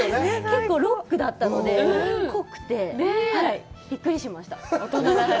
結構ロックだったので、濃くて、びっくりしました。